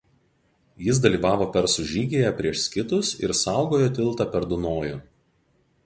Jis dalyvavo persų žygyje prieš skitus ir saugojo tiltą per Dunojų.